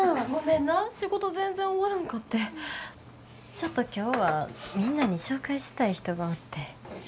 ちょっと今日はみんなに紹介したい人がおって。